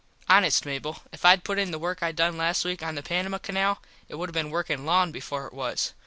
Honest, Mable, if Id put in the work I done last week on the Panamah Canal it would have been workin long before it was.